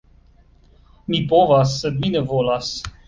Mi povas, sed mi ne volas.